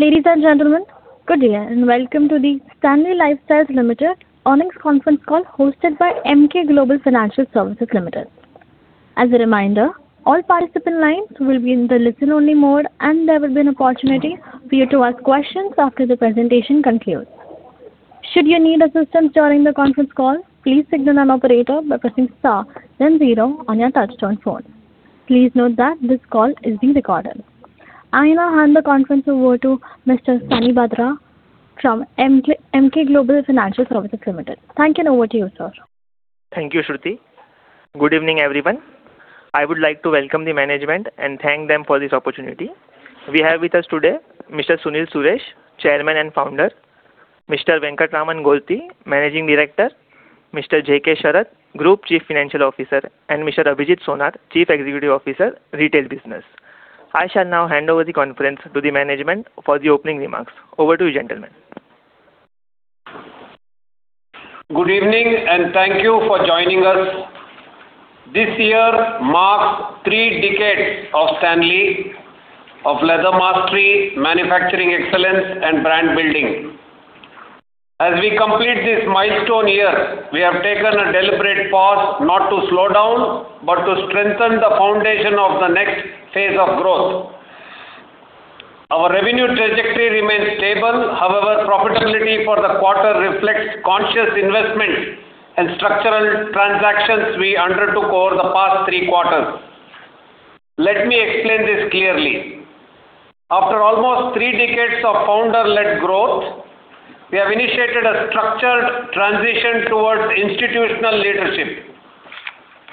Ladies and gentlemen, good day, and welcome to the Stanley Lifestyles Limited earnings conference call, hosted by Emkay Global Financial Services Limited. As a reminder, all participant lines will be in the listen-only mode, and there will be an opportunity for you to ask questions after the presentation concludes. Should you need assistance during the conference call, please signal an operator by pressing star then zero on your touchtone phone. Please note that this call is being recorded. I now hand the conference over to Mr. Sunny Bhadra from Emkay, Emkay Global Financial Services Limited. Thank you, and over to you, sir. Thank you, Shruti. Good evening, everyone. I would like to welcome the management and thank them for this opportunity. We have with us today Mr. Sunil Suresh, Chairman and Founder, Mr. Venkatraman Gowri, Managing Director, Mr. J.K. Sharath, Group Chief Financial Officer, and Mr. Abhijeet Sonar, Chief Executive Officer, Retail Business. I shall now hand over the conference to the management for the opening remarks. Over to you, gentlemen. Good evening, and thank you for joining us. This year marks three decades of Stanley, of leather mastery, manufacturing excellence, and brand building. As we complete this milestone year, we have taken a deliberate pause, not to slow down, but to strengthen the foundation of the next phase of growth. Our revenue trajectory remains stable. However, profitability for the quarter reflects conscious investment and structural transactions we undertook over the past three quarters. Let me explain this clearly. After almost decades of founder-led growth, we have initiated a structured transition towards institutional leadership.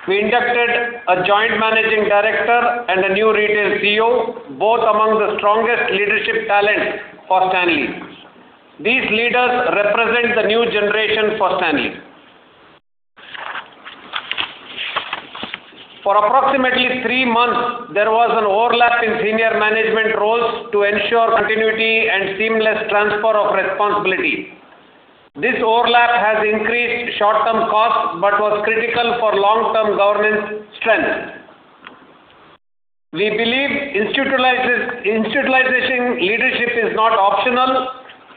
We inducted a joint managing director and a new retail CEO, both among the strongest leadership talent for Stanley. These leaders represent the new generation for Stanley. For approximately three months, there was an overlap in senior management roles to ensure continuity and seamless transfer of responsibility. This overlap has increased short-term costs, but was critical for long-term governance strength. We believe institutionalizing leadership is not optional,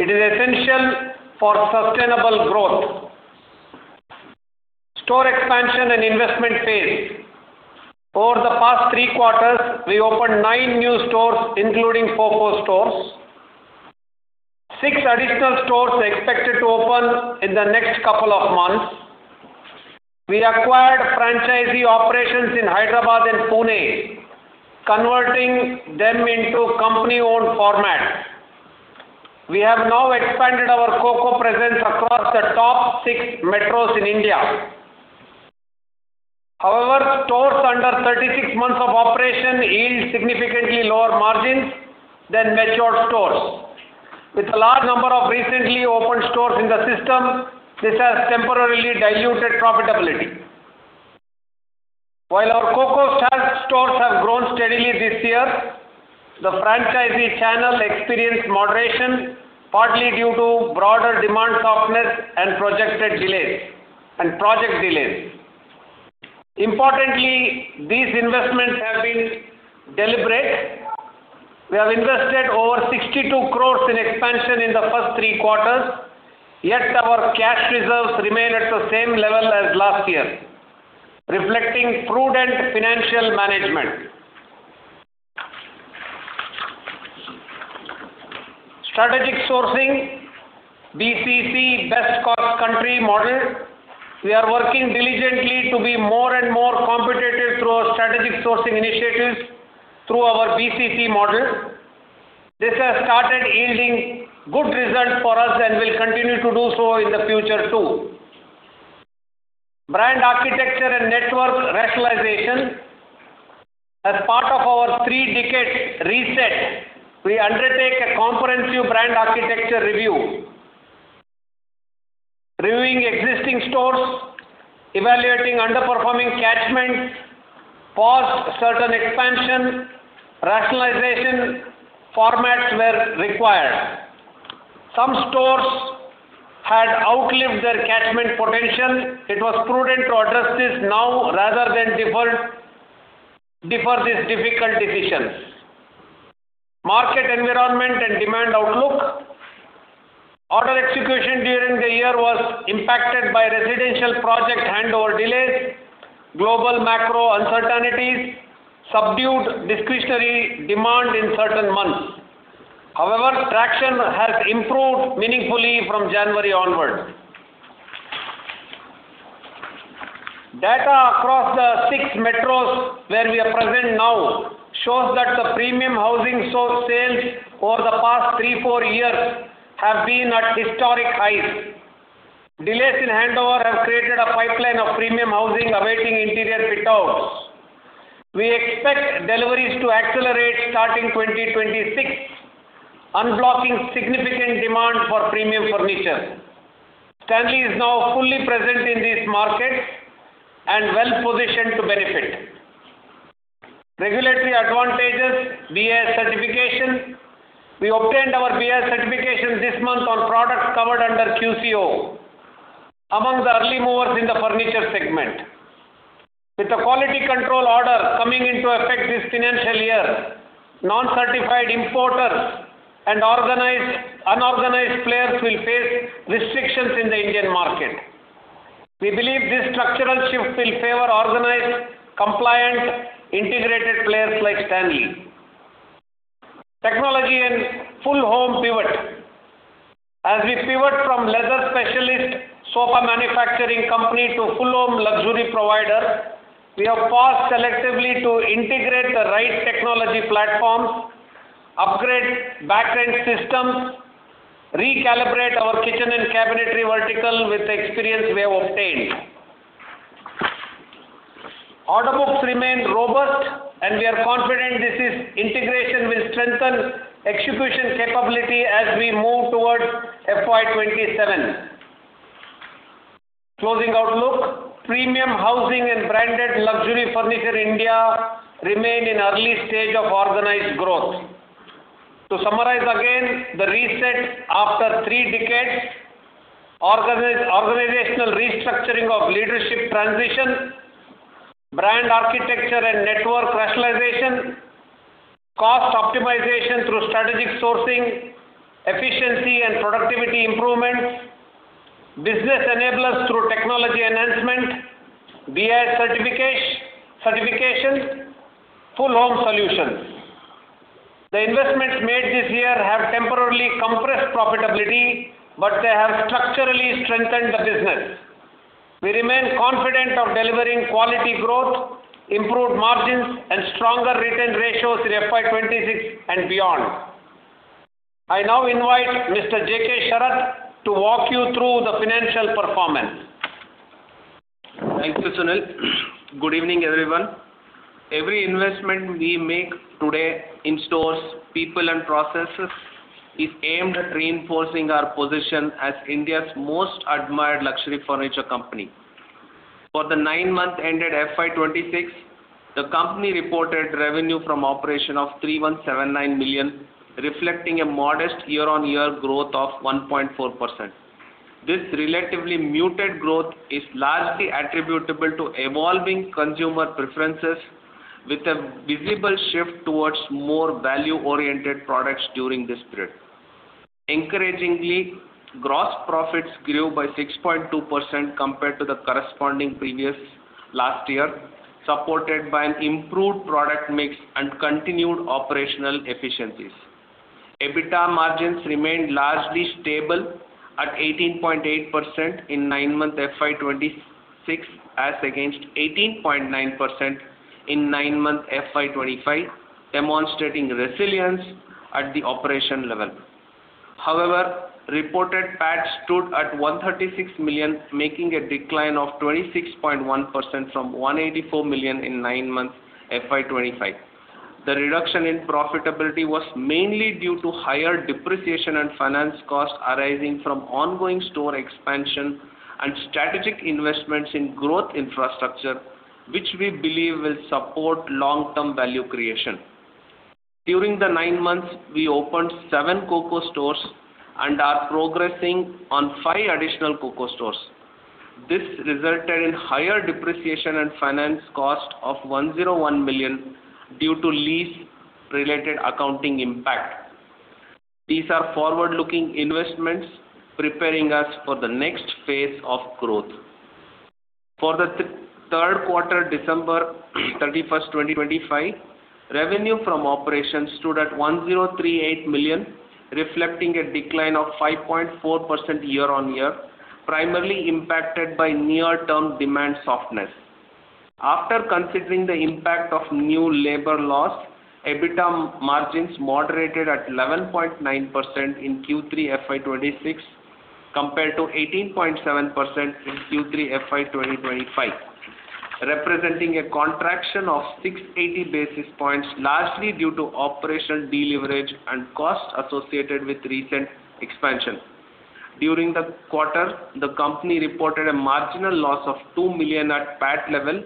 it is essential for sustainable growth. Store expansion and investment phase. Over the past three quarters, we opened nine new stores, including CoCo stores. Six additional stores are expected to open in the next couple of months. We acquired franchisee operations in Hyderabad and Pune, converting them into company-owned format. We have now expanded our CoCo presence across the top six metros in India. However, stores under 36 months of operation yield significantly lower margins than mature stores. With a large number of recently opened stores in the system, this has temporarily diluted profitability. While our CoCo stores have grown steadily this year, the franchisee channel experienced moderation, partly due to broader demand softness and projected delays, and project delays. Importantly, these investments have been deliberate. We have invested over 62 crore in expansion in the first three quarters, yet our cash reserves remain at the same level as last year, reflecting prudent financial management. Strategic sourcing, BCC, Best Cost Country model. We are working diligently to be more and more competitive through our strategic sourcing initiatives through our BCC model. This has started yielding good results for us and will continue to do so in the future, too. Brand architecture and network rationalization. As part of our three-decade reset, we undertake a comprehensive brand architecture review. Reviewing existing stores, evaluating underperforming catchments, pause certain expansion, rationalization formats were required. Some stores had outlived their catchment potential. It was prudent to address this now rather than defer these difficult decisions. Market environment and demand outlook. Order execution during the year was impacted by residential project handover delays, global macro uncertainties, subdued discretionary demand in certain months. However, traction has improved meaningfully from January onward. Data across the six metros where we are present now shows that the premium housing stock sales over the past three-four years have been at historic highs. Delays in handover have created a pipeline of premium housing awaiting interior fit-outs. We expect deliveries to accelerate starting 2026, unblocking significant demand for premium furniture. Stanley is now fully present in these markets and well-positioned to benefit. Regulatory advantages, BIS certification. We obtained our BIS certification this month on products covered under QCO. Among the other-... With the quality control order coming into effect this financial year, non-certified importers and organized, unorganized players will face restrictions in the Indian market. We believe this structural shift will favor organized, compliant, integrated players like Stanley. Technology and full home pivot. As we pivot from leather specialist sofa manufacturing company to full home luxury provider, we have paused selectively to integrate the right technology platforms, upgrade back-end systems, recalibrate our kitchen and cabinetry vertical with the experience we have obtained. Order books remain robust, and we are confident this integration will strengthen execution capability as we move towards FY 2027. Closing outlook. Premium housing and branded luxury furniture India remain in early stage of organized growth. To summarize again, the reset after three decades, organizational restructuring of leadership transition, brand architecture and network rationalization, cost optimization through strategic sourcing, efficiency and productivity improvements, business enablers through technology enhancement, BIS certification, full home solutions. The investments made this year have temporarily compressed profitability, but they have structurally strengthened the business. We remain confident of delivering quality growth, improved margins and stronger return ratios in FY26 and beyond. I now invite Mr. J.K. Sharath to walk you through the financial performance. Thank you, Sunil. Good evening, everyone. Every investment we make today in stores, people and processes, is aimed at reinforcing our position as India's most admired luxury furniture company. For the nine months ended FY 2026, the company reported revenue from operation of 3,179 million, reflecting a modest year-on-year growth of 1.4%. This relatively muted growth is largely attributable to evolving consumer preferences, with a visible shift towards more value-oriented products during this period. Encouragingly, gross profits grew by 6.2% compared to the corresponding previous last year, supported by an improved product mix and continued operational efficiencies. EBITDA margins remained largely stable at 18.8% in nine-month FY 2026, as against 18.9% in nine-month FY 2025, demonstrating resilience at the operation level. However, reported PAT stood at 136 million, making a decline of 26.1% from 184 million in nine-month FY 2025. The reduction in profitability was mainly due to higher depreciation and finance costs arising from ongoing store expansion and strategic investments in growth infrastructure, which we believe will support long-term value creation. During the nine months, we opened seven CoCo stores and are progressing on five additional CoCo stores. This resulted in higher depreciation and finance cost of 101 million due to lease related accounting impact. These are forward-looking investments preparing us for the next phase of growth. For the third quarter, December 31, 2025, revenue from operations stood at 1,038 million, reflecting a decline of 5.4% year-on-year, primarily impacted by near-term demand softness. After considering the impact of new labor laws, EBITDA margins moderated at 11.9% in Q3 FY 2026, compared to 18.7% in Q3 FY 2025, representing a contraction of 680 basis points, largely due to operational deleverage and costs associated with recent expansion. During the quarter, the company reported a marginal loss of 2 million at PAT level,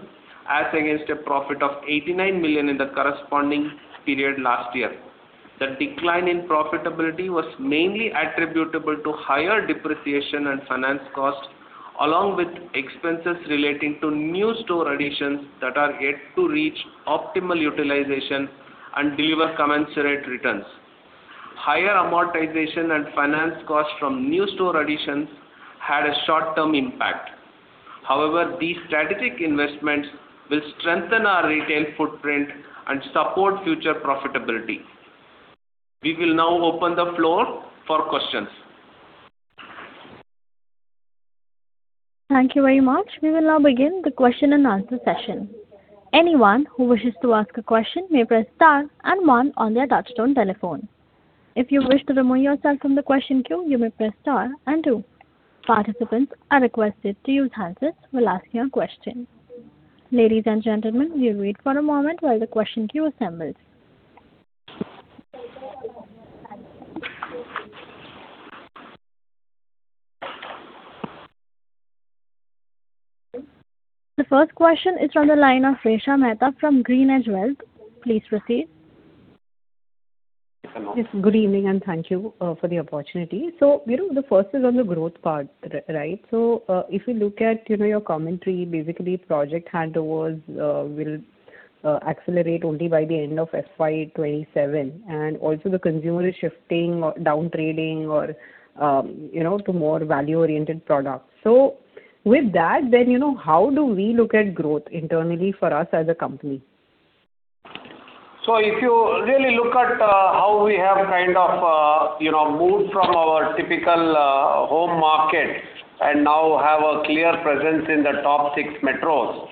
as against a profit of 89 million in the corresponding period last year. The decline in profitability was mainly attributable to higher depreciation and finance costs, along with expenses relating to new store additions that are yet to reach optimal utilization and deliver commensurate returns. Higher amortization and finance costs from new store additions had a short-term impact. However, these strategic investments will strengthen our retail footprint and support future profitability. We will now open the floor for questions. Thank you very much. We will now begin the question and answer session. Anyone who wishes to ask a question may press star and one on their touchtone telephone. If you wish to remove yourself from the question queue, you may press star and two. Participants are requested to use handsets while asking a question. Ladies and gentlemen, we'll wait for a moment while the question queue assembles. The first question is from the line of Resha Mehta from GreenEdge Wealth. Please proceed. Yes, good evening, and thank you for the opportunity. So, you know, the first is on the growth part, right? So, if you look at, you know, your commentary, basically, project handovers will accelerate only by the end of FY 2027, and also the consumer is shifting or down trading or, you know, to more value-oriented products. So with that, then, you know, how do we look at growth internally for us as a company? So if you really look at how we have kind of, you know, moved from our typical home market and now have a clear presence in the top six metros,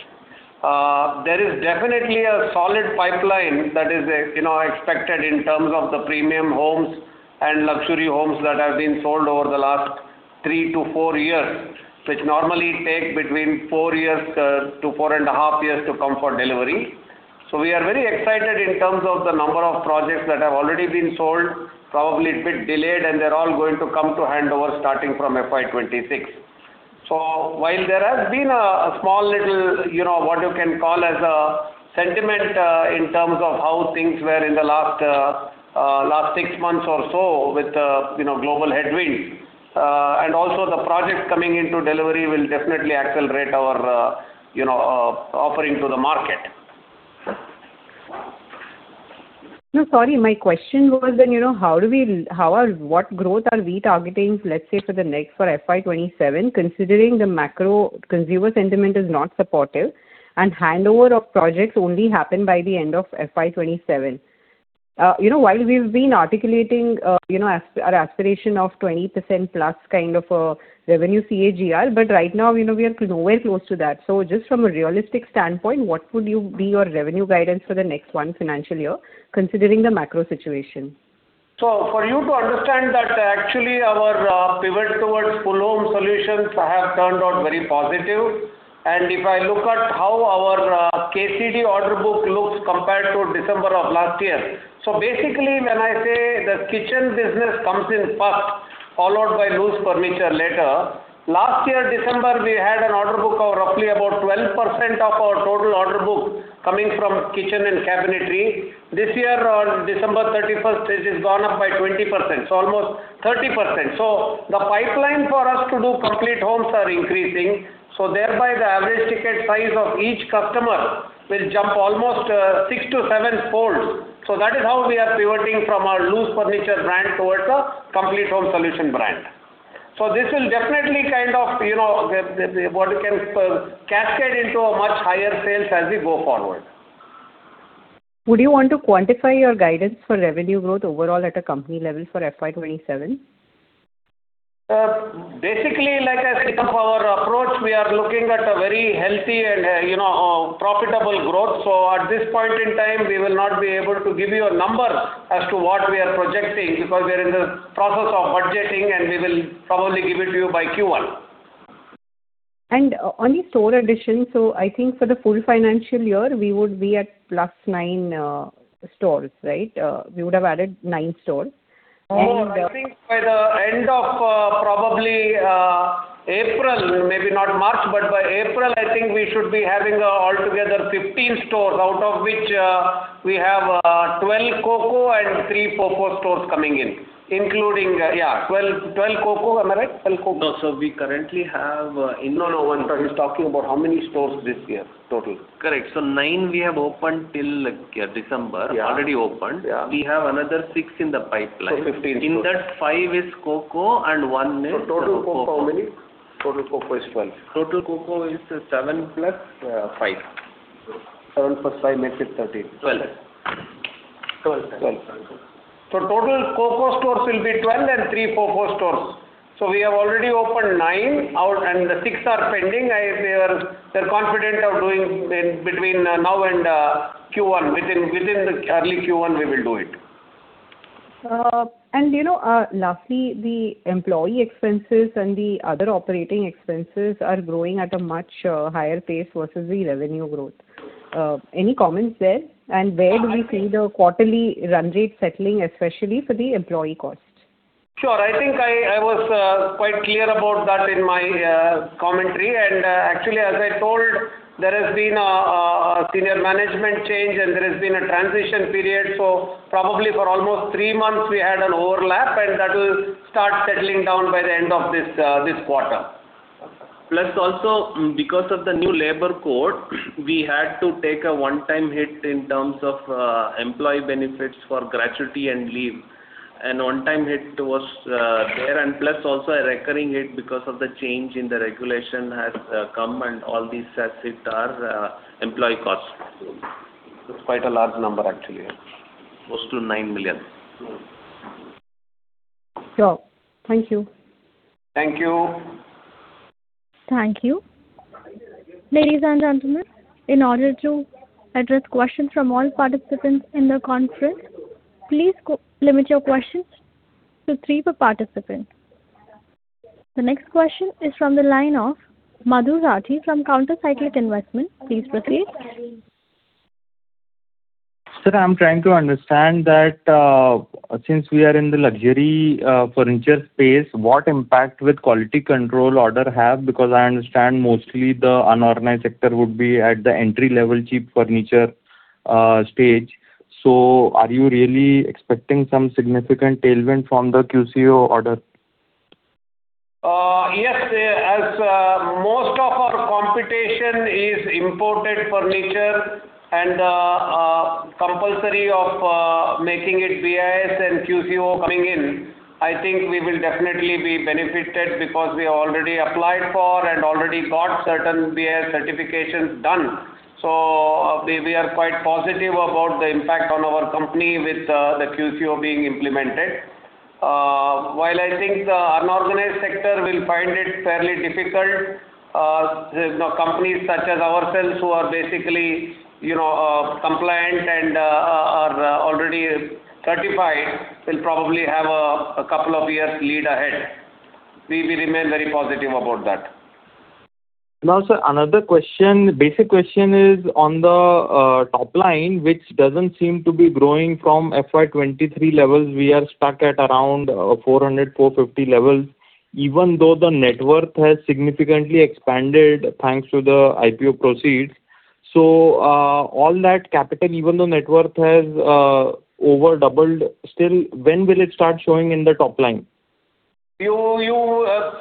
there is definitely a solid pipeline that is, you know, expected in terms of the premium homes and luxury homes that have been sold over the last three-four years, which normally take between four years to 4.5 years to come for delivery. So we are very excited in terms of the number of projects that have already been sold, probably a bit delayed, and they're all going to come to handover starting from FY 2026. So while there has been a small little, you know, what you can call as a sentiment in terms of how things were in the last six months or so with, you know, global headwind, and also the projects coming into delivery will definitely accelerate our, you know, offering to the market. No, sorry, my question was then, you know, how do we, how are, what growth are we targeting, let's say, for the next, for FY 2027, considering the macro consumer sentiment is not supportive and handover of projects only happen by the end of FY 2027? You know, while we've been articulating, you know, our aspiration of 20%+ kind of a revenue CAGR, but right now, you know, we are nowhere close to that. So just from a realistic standpoint, what would be your revenue guidance for the next one financial year, considering the macro situation? So for you to understand that actually our pivot towards full home solutions have turned out very positive. And if I look at how our KCD order book looks compared to December of last year, so basically, when I say the kitchen business comes in first, followed by loose furniture later, last year, December, we had an order book of roughly about 12% of our total order book coming from kitchen and cabinetry. This year, on December 31st, it has gone up by 20%, so almost 30%. So the pipeline for us to do complete homes are increasing, so thereby the average ticket size of each customer will jump almost six-seven fold. So that is how we are pivoting from our loose furniture brand towards a complete home solution brand. This will definitely kind of, you know, what you can cascade into a much higher sales as we go forward. Would you want to quantify your guidance for revenue growth overall at a company level for FY 2027? Basically, like I said, our approach, we are looking at a very healthy and, you know, profitable growth. So at this point in time, we will not be able to give you a number as to what we are projecting, because we are in the process of budgeting, and we will probably give it to you by Q1. On the store addition, so I think for the full financial year, we would be at +9 stores, right? We would have added nine stores. And, No, I think by the end of, probably, April, maybe not March, but by April, I think we should be having altogether 15 stores, out of which, we have, 12 CoCo and 3 FoFo stores coming in, including, yeah, 12, 12 CoCo. Am I right? 12 CoCo. No, sir, we currently have in- No, no, one second. He's talking about how many stores this year, total. Correct. So nine we have opened till, like, yeah, December. Yeah. Already opened. Yeah. We have another six in the pipeline. 15 stores. In that, five is CoCo and one is FoFo. Total CoCo how many? Total CoCo is 12. Total CoCo is 7+5. 75 makes it 13. Twelve. Twelve. Twelve. So total CoCo stores will be 12 and three FoFo stores. So we have already opened nine out, and the six are pending. We're confident of doing in between now and Q1. Within the early Q1, we will do it. You know, lastly, the employee expenses and the other operating expenses are growing at a much higher pace versus the revenue growth. Any comments there? And where do we see the quarterly run rate settling, especially for the employee costs? Sure. I think I was quite clear about that in my commentary. And actually, as I told, there has been a senior management change, and there has been a transition period. So probably for almost three months we had an overlap, and that will start settling down by the end of this quarter. Plus also, because of the new labor code, we had to take a one-time hit in terms of, employee benefits for gratuity and leave. And one-time hit was, there, and plus also a recurring hit because of the change in the regulation has come, and all these has hit our, employee costs. So it's quite a large number actually. Close to 9 million. Sure. Thank you. Thank you. Thank you. Ladies and gentlemen, in order to address questions from all participants in the conference, please limit your questions to three per participant. The next question is from the line of Madhur Rathi from Countercyclical Investment. Please proceed. Sir, I'm trying to understand that, since we are in the luxury, furniture space, what impact with quality control order have? Because I understand mostly the unorganized sector would be at the entry-level cheap furniture, stage. So are you really expecting some significant tailwind from the QCO order? Yes, as most of our competition is imported furniture and compulsory of making it BIS and QCO coming in, I think we will definitely be benefited because we already applied for and already got certain BIS certifications done. So we are quite positive about the impact on our company with the QCO being implemented. While I think the unorganized sector will find it fairly difficult, you know, companies such as ourselves, who are basically, you know, compliant and are already certified, will probably have a couple of years lead ahead. We remain very positive about that. Now, sir, another question, basic question is on the top line, which doesn't seem to be growing from FY 2023 levels. We are stuck at around 400-450 levels, even though the net worth has significantly expanded, thanks to the IPO proceeds. So, all that capital, even though net worth has over doubled, still, when will it start showing in the top line? You,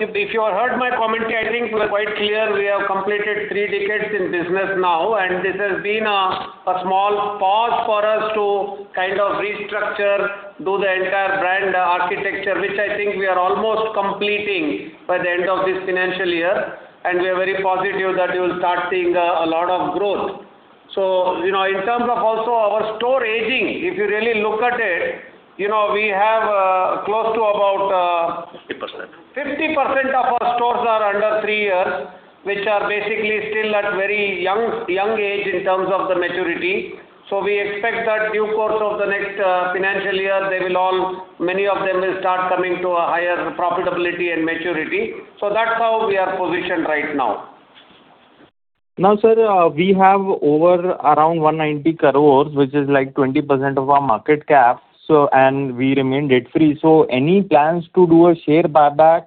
if you heard my commentary, I think we're quite clear. We have completed three decades in business now, and this has been a small pause for us to kind of restructure, do the entire brand architecture, which I think we are almost completing by the end of this financial year, and we are very positive that you'll start seeing a lot of growth. So, you know, in terms of also our store aging, if you really look at it, you know, we have close to about— 50%. 50% of our stores are under three years, which are basically still at very young age in terms of the maturity. So we expect that due course of the next financial year, many of them will start coming to a higher profitability and maturity. So that's how we are positioned right now. Now, sir, we have over around 190 crores, which is like 20% of our market cap, so, and we remain debt free. So any plans to do a share buyback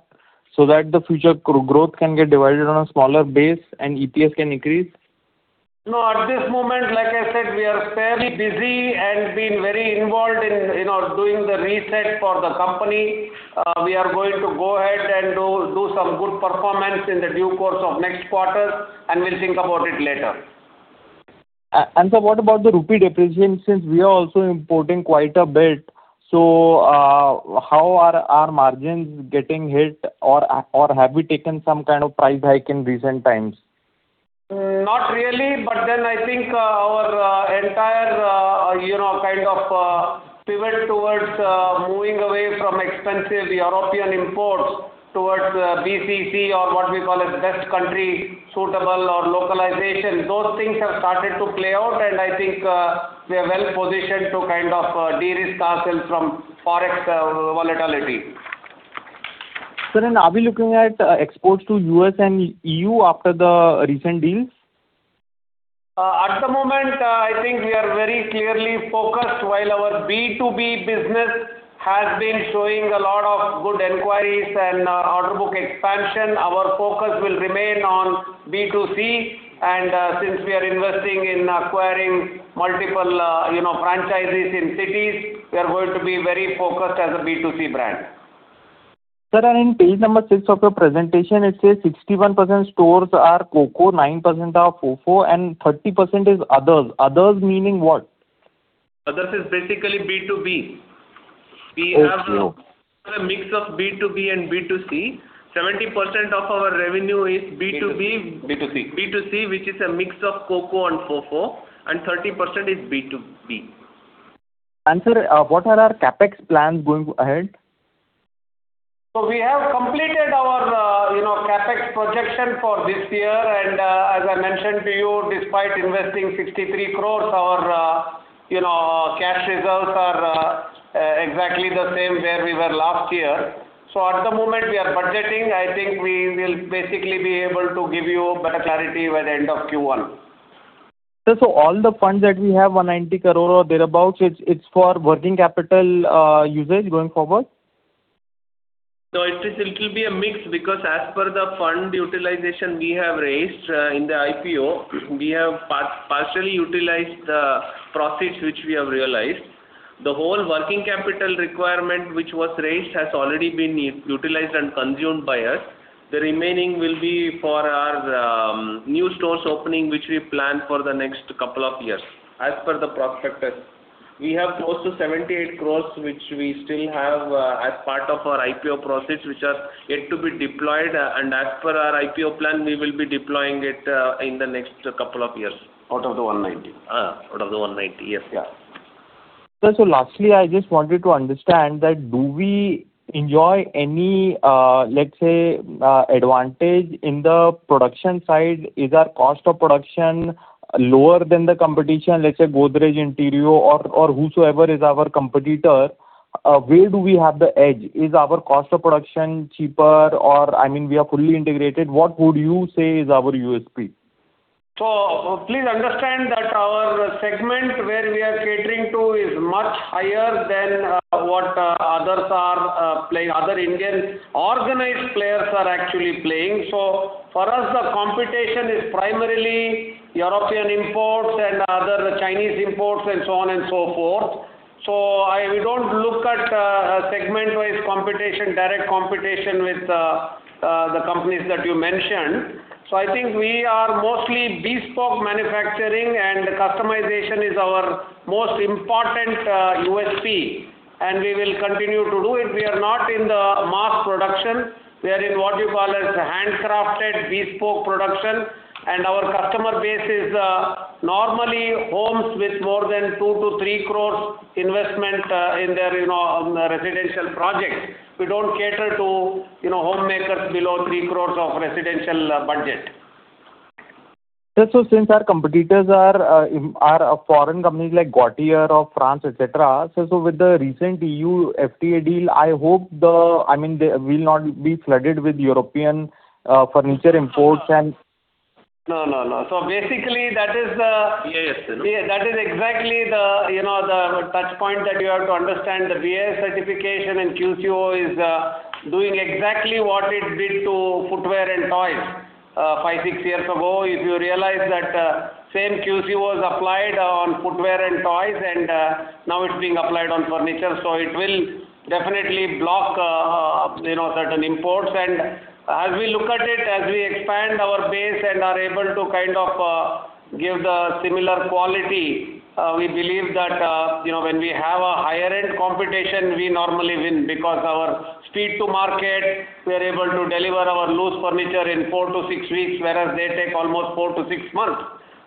so that the future growth can get divided on a smaller base and EPS can increase? No, at this moment, like I said, we are fairly busy and been very involved in, you know, doing the reset for the company. We are going to go ahead and do some good performance in the due course of next quarter, and we'll think about it later. And sir, what about the rupee depreciation, since we are also importing quite a bit, so, how are our margins getting hit or, or have we taken some kind of price hike in recent times? Not really, but then I think, our entire, you know, kind of, pivot towards moving away from expensive European imports towards BCC or what we call it, best country suitable or localization, those things have started to play out, and I think we are well positioned to kind of de-risk ourselves from Forex volatility. Sir, are we looking at exports to U.S. and E.U. after the recent deals? At the moment, I think we are very clearly focused. While our B2B business has been showing a lot of good inquiries and, order book expansion, our focus will remain on B2C, and, since we are investing in acquiring multiple, you know, franchises in cities, we are going to be very focused as a B2C brand. Sir, and in page number six of your presentation, it says 61% stores are CoCo, 9% are FoFo, and 30% is others. Others, meaning what? Others is basically B2B. Okay. We have a mix of B2B and B2C. 70% of our revenue is B2B- B2C. B2C, which is a mix of CoCo and FoFo, and 30% is B2B. Sir, what are our CapEx plans going ahead? So we have completed our, you know, CapEx projection for this year, and, as I mentioned to you, despite investing 63 crore, our, you know, our cash results are, exactly the same where we were last year. So at the moment, we are budgeting. I think we will basically be able to give you better clarity by the end of Q1. Sir, so all the funds that we have, 190 crore or thereabout, it's for working capital usage going forward? So it is, it will be a mix, because as per the fund utilization we have raised in the IPO, we have partially utilized the profits which we have realized. The whole working capital requirement, which was raised, has already been utilized and consumed by us. The remaining will be for our new stores opening, which we plan for the next couple of years, as per the prospectus. We have close to 78 crore, which we still have as part of our IPO proceeds, which are yet to be deployed, and as per our IPO plan, we will be deploying it in the next couple of years. Out of the 190. Out of the 190, yes. Yeah. Sir, so lastly, I just wanted to understand that, do we enjoy any, let's say, advantage in the production side? Is our cost of production lower than the competition, let's say, Godrej Interio or, or whosoever is our competitor, where do we have the edge? Is our cost of production cheaper, or I mean, we are fully integrated. What would you say is our USP? So please understand that our segment, where we are catering to, is much higher than what others are playing, other Indian organized players are actually playing. So for us, the competition is primarily European imports and so on and so forth. So I, we don't look at segment-wise competition, direct competition with the companies that you mentioned. So I think we are mostly bespoke manufacturing, and customization is our most important USP, and we will continue to do it. We are not in the mass production. We are in what you call as handcrafted bespoke production, and our customer base is normally homes with more than 2 crore-3 crore investment in their, you know, on residential projects. We don't cater to, you know, homemakers below 3 crore of residential budget. Sir, so since our competitors are a foreign company like Gautier of France, et cetera. So, with the recent E.U. FTA deal, I hope—I mean, they will not be flooded with European furniture imports and- No, no, no. So basically, that is the- BIS, no? Yeah, that is exactly the, you know, the touch point that you have to understand. The BIS certification and QCO is doing exactly what it did to footwear and toys five-6 years ago. If you realize that same QCOs applied on footwear and toys, and now it's being applied on furniture. So it will definitely block, you know, certain imports. And as we look at it, as we expand our base and are able to kind of give the similar quality, we believe that, you know, when we have a higher end competition, we normally win because our speed to market, we are able to deliver our loose furniture in four-six weeks, whereas they take almost four-six months.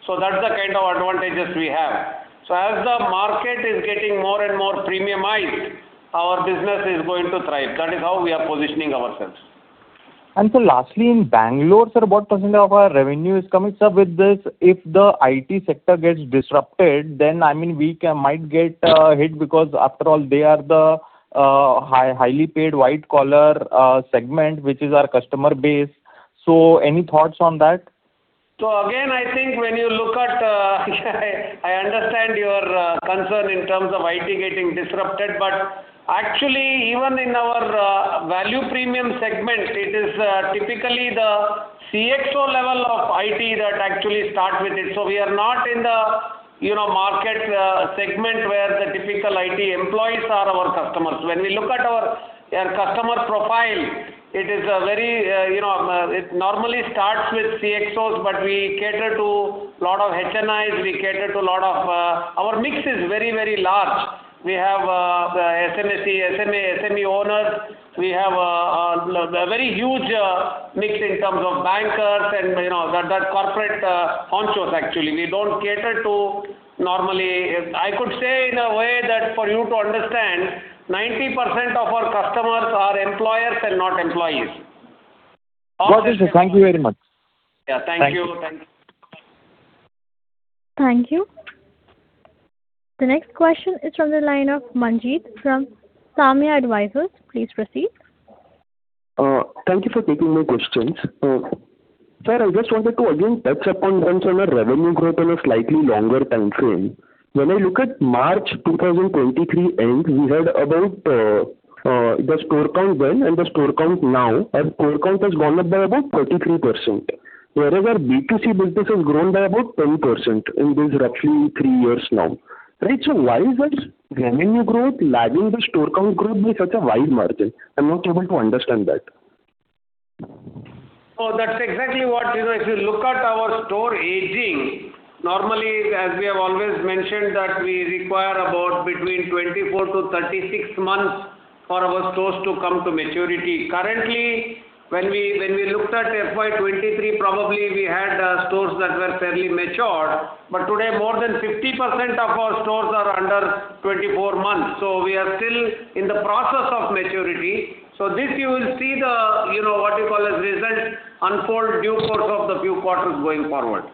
So that's the kind of advantages we have. As the market is getting more and more premiumized, our business is going to thrive. That is how we are positioning ourselves. So lastly, in Bangalore, sir, what % of our revenue is coming, sir, with this? If the IT sector gets disrupted, then, I mean, we can might get hit, because after all, they are the high, highly paid white collar segment, which is our customer base. So any thoughts on that? So again, I think when you look at, I understand your concern in terms of IT getting disrupted, but actually, even in our value premium segment, it is typically the CXO level of IT that actually start with it. So we are not in the, you know, market segment where the typical IT employees are our customers. When we look at our customer profile, it is a very, you know, it normally starts with CXOs, but we cater to a lot of HNIs, we cater to a lot of... Our mix is very, very large. We have the MSMEs, SMEs, SME owners. We have a very huge mix in terms of bankers and, you know, the corporate honchos, actually. We don't cater to normally, I could say in a way that for you to understand, 90% of our customers are employers and not employees. Got it, sir. Thank you very much. Yeah. Thank you. Thank you. Thank you. The next question is from the line of Manjeet from Samaya Advisors. Please proceed. Thank you for taking my questions. Sir, I just wanted to again touch upon once on our revenue growth in a slightly longer timeframe. When I look at March 2023 end, we had about, the store count then and the store count now, our store count has gone up by about 33%, whereas our B2C business has grown by about 10% in this roughly three years now. Right, so why is our revenue growth lagging the store count growth with such a wide margin? I'm not able to understand that. Oh, that's exactly what, you know, if you look at our store aging, normally, as we have always mentioned, that we require about between 24-36 months for our stores to come to maturity. Currently, when we, when we looked at FY 2023, probably we had stores that were fairly matured, but today more than 50% of our stores are under 24 months, so we are still in the process of maturity. So this you will see the, you know, what you call a result unfold due course of the few quarters going forward.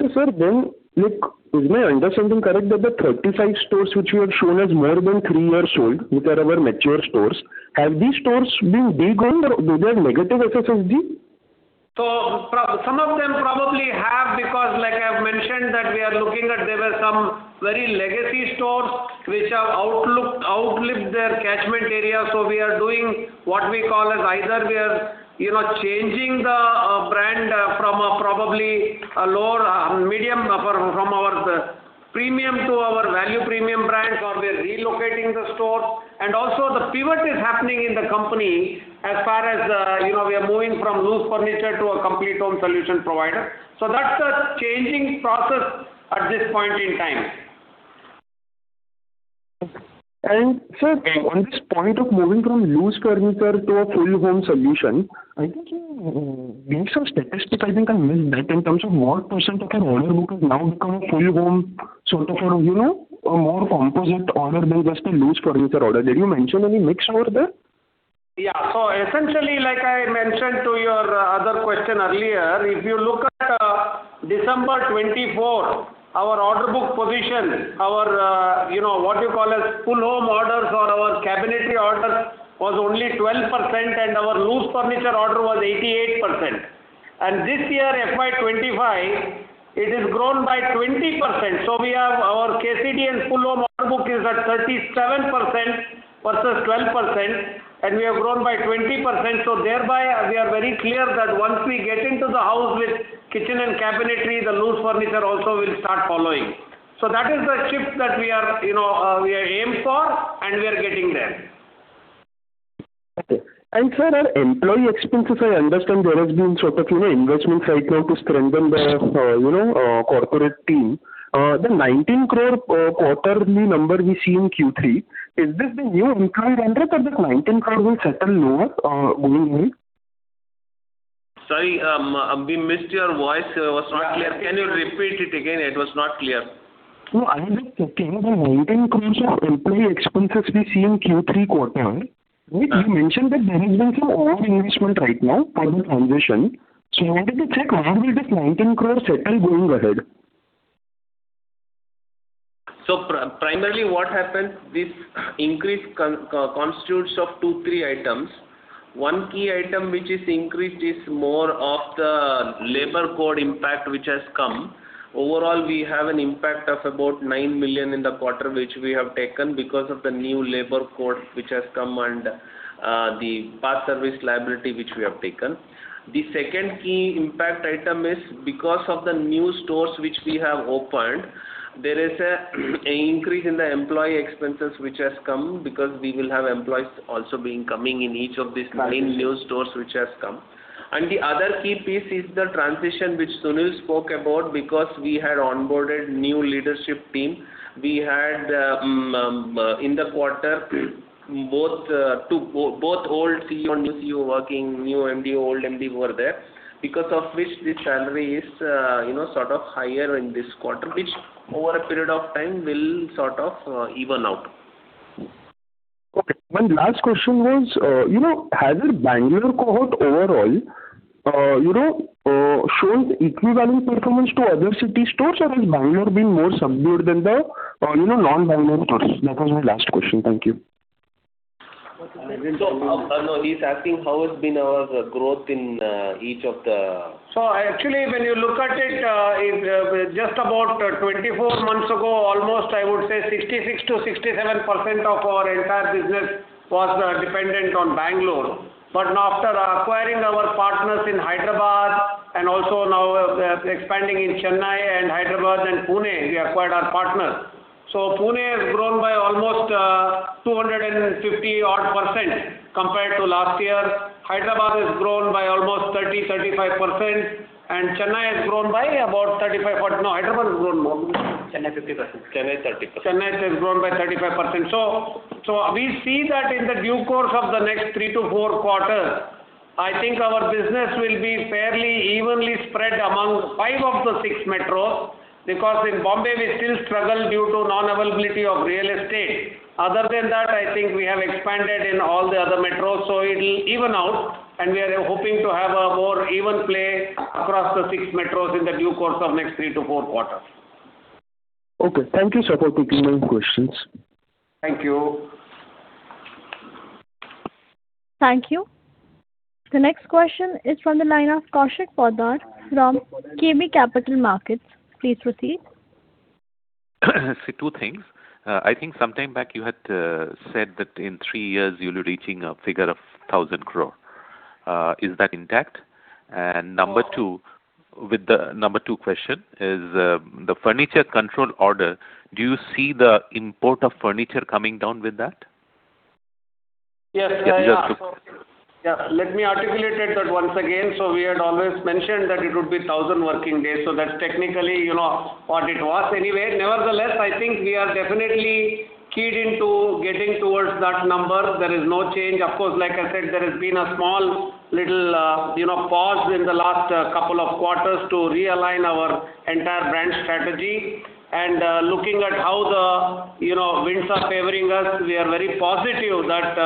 So, sir, then, look, is my understanding correct that the 35 stores which you have shown as more than three years old, which are our mature stores, have these stores been de-grown or do they have negative SSSG? So some of them probably have, because like I've mentioned, that we are looking at there were some very legacy stores which have outlived their catchment area. So we are doing what we call as either we are, you know, changing the brand from a probably a lower medium from our premium to our value premium brands, or we are relocating the stores. And also the pivot is happening in the company as far as, you know, we are moving from loose furniture to a complete home solution provider. So that's a changing process at this point in time. Sir, on this point of moving from loose furniture to a full home solution, I think you gave some statistic, I think I missed that, in terms of what % of your order book is now become a full home sort of, you know, a more composite order than just a loose furniture order. Did you mention any mix over there? Yeah. So essentially, like I mentioned to your other question earlier, if you look at December 2024, our order book position, our you know, what you call as full home orders or our cabinetry orders, was only 12%, and our loose furniture order was 88%. And this year, FY 2025, it has grown by 20%. So book is at 37% versus 12%, and we have grown by 20%. So thereby, we are very clear that once we get into the house with kitchen and cabinetry, the loose furniture also will start following. So that is the shift that we are, you know, we aim for, and we are getting there. Okay. Sir, our employee expenses, I understand there has been sort of, you know, investments right now to strengthen the, you know, corporate team. The 19 crore quarterly number we see in Q3, is this the new recurring trend or this INR 19 crore will settle lower, going ahead? Sorry, we missed your voice. It was not clear. Can you repeat it again? It was not clear. I was checking the INR 19 crore of employee expenses we see in Q3 quarter. You mentioned that there has been some over investment right now for the transition. I wanted to check, how will this 19 crore settle going ahead? So primarily what happened, this increase constitutes of two, three items. One key item which is increased is more of the labor code impact, which has come. Overall, we have an impact of about 9 million in the quarter, which we have taken because of the new labor code, which has come and the past service liability, which we have taken. The second key impact item is because of the new stores which we have opened, there is an increase in the employee expenses which has come, because we will have employees also being coming in each of these nine new stores which has come. The other key piece is the transition which Sunil spoke about, because we had onboarded new leadership team. We had in the quarter, both old CEO and new CEO working, new MD, old MD were there, because of which the salary is, you know, sort of higher in this quarter, which over a period of time will sort of even out. Okay. One last question was, you know, has your Bangalore cohort overall, you know, shown equivalent performance to other city stores, or has Bangalore been more subdued than the, you know, non-Bangalore stores? That was my last question. Thank you. No, he's asking how has been our growth in, each of the- So actually, when you look at it, just about 24 months ago, almost, I would say 66%-67% of our entire business was dependent on Bangalore. But after acquiring our partners in Hyderabad and also now expanding in Chennai and Hyderabad and Pune, we acquired our partners. So Pune has grown by almost 250-odd% compared to last year. Hyderabad has grown by almost 30%-35%, and Chennai has grown by about 35%, but no, Hyderabad has grown more. Chennai, 50%. Chennai, 30%. Chennai has grown by 35%. So, we see that in the due course of the next three-four quarters, I think our business will be fairly evenly spread among five of the six metros, because in Bombay, we still struggle due to non-availability of real estate. Other than that, I think we have expanded in all the other metros, so it'll even out, and we are hoping to have a more even play across the six metros in the due course of next three-four quarters. Okay. Thank you, sir, for taking my questions. Thank you. Thank you. The next question is from the line of Kaushik Poddar from KB Capital Markets. Please proceed. So two things. I think sometime back you had said that in three years you'll be reaching a figure of 1,000 crore. Is that intact? And number two, with the number two question, is the Quality Control Order, do you see the import of furniture coming down with that? Yes. Yeah, yeah. Let me articulate it that once again. So we had always mentioned that it would be 1,000 working days, so that's technically, you know, what it was anyway. Nevertheless, I think we are definitely keyed into getting towards that number. There is no change. Of course, like I said, there has been a small little, you know, pause in the last couple of quarters to realign our entire brand strategy. And, looking at how the, you know, winds are favoring us, we are very positive that,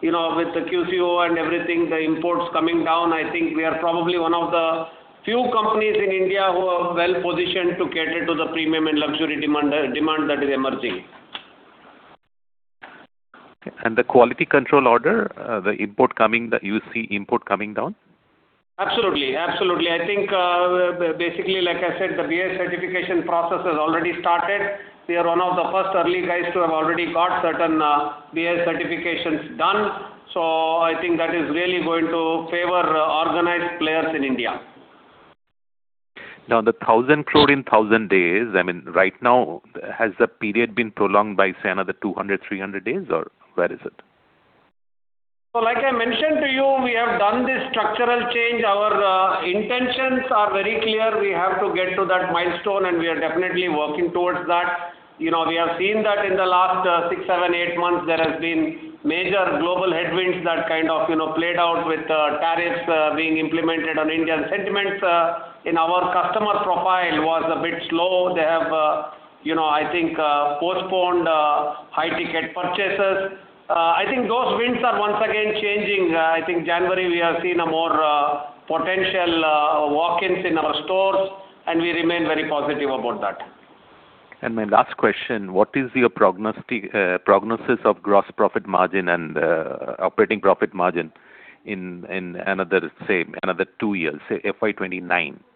you know, with the QCO and everything, the imports coming down, I think we are probably one of the few companies in India who are well positioned to cater to the premium and luxury demand, demand that is emerging. The Quality Control Order, the import coming, you see import coming down? Absolutely. Absolutely. I think, basically, like I said, the BIS certification process has already started. We are one of the first early guys to have already got certain, BIS certifications done. So I think that is really going to favor, organized players in India. Now, the 1,000 crore in 1,000 days, I mean, right now, has the period been prolonged by, say, another 200, 300 days, or where is it? So like I mentioned to you, we have done this structural change. Our intentions are very clear. We have to get to that milestone, and we are definitely working towards that. You know, we have seen that in the last six, seven, eight months, there has been major global headwinds that kind of, you know, played out with tariffs being implemented on Indian sentiments. And our customer profile was a bit slow. They have, you know, I think postponed high-ticket purchases. I think those winds are once again changing. I think January, we have seen a more potential walk-ins in our stores, and we remain very positive about that. And my last question, what is your prognosis of gross profit margin and operating profit margin in, say, another two years, say, FY 2029? So